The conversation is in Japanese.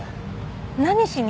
何しに？